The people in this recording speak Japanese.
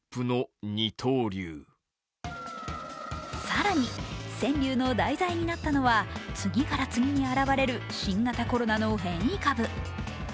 更に、川柳の題材になったのは次から次に現れる新型コロナの変異株。